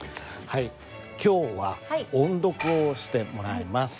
今日は音読をしてもらいます。